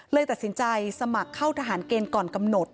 เลยตัดสินใจสมัครเข้าทหารเกณฑ์ก่อนกำหนด